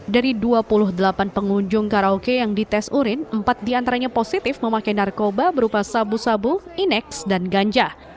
dari dua puluh delapan pengunjung karaoke yang dites urin empat diantaranya positif memakai narkoba berupa sabu sabu ineks dan ganja